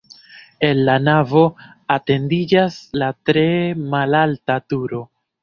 El la navo etendiĝas la tre malalta turo.